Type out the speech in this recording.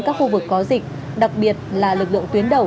các khu vực có dịch đặc biệt là lực lượng tuyến đầu